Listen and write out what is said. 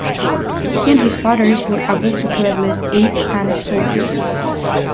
He and his fighters were able to kill at least eight Spanish soldiers.